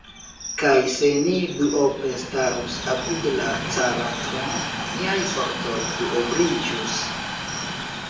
Kaj se ni duope starus apud la cara trono, niaj fortoj duobliĝus!